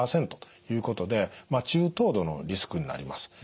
５％ということで中等度のリスクになります。